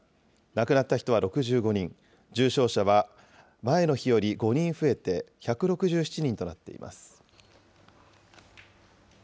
亡くなった人は６５人、重症者は前の日より５人増えて１６７人となっています。